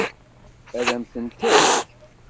Ad m-ten-tefk?